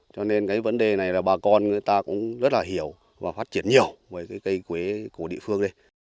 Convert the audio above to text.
cho nên cái vấn đề này là bà con người ta cũng rất là hiểu và phát triển nhiều với cái cây quế của địa phương đây